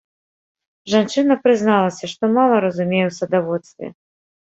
Жанчына прызналася, што мала разумее ў садаводстве.